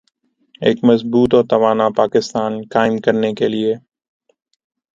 ایک مضبوط و توانا پاکستان قائم کرنے کے لئیے ۔